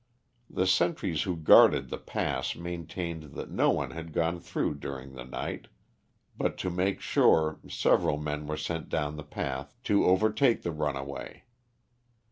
The sentries who guarded the pass maintained that no one had gone through during the night, but to make sure several men were sent down the path to overtake the runaway.